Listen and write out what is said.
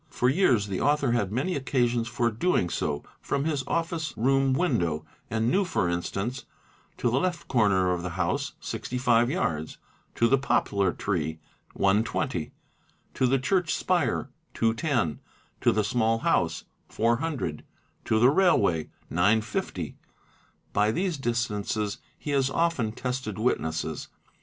For years the author had many occasions for doing so from his office room window and knew for instance :—to the left corner of the house—65 yards; to the | poplar tree—120; to the church spire—210; to the small house—400; to the railway—950. By these distances he has often tested witnesses.